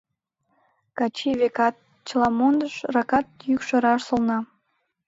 — Качий, векат, чыла мондыш, ракат йӱкшӧ раш солна.